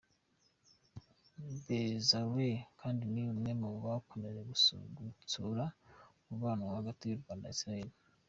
Bezarel kandi ni umwe mu bakomeje gutsura umubaro hagati y’u Rwanda na Isiraheli.